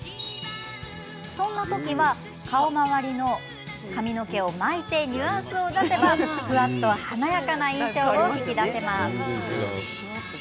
そんな時は顔周りの髪の毛を巻いてニュアンスを出せばふわっと華やかな印象を引き出せます。